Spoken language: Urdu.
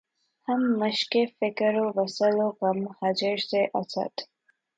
ہم مشقِ فکر وصل و غم ہجر سے‘ اسد!